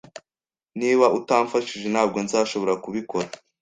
Niba utamfashije, ntabwo nzashobora kubikora